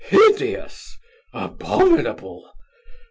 hideous! abominable!